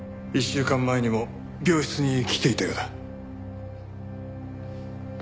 １週間前にも病室に来ていたようだ。